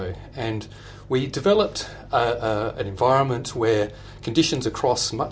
dan kami membangun lingkungan di mana kondisi di sepanjang negara